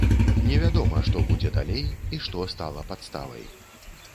Невядома, што будзе далей і што стала падставай.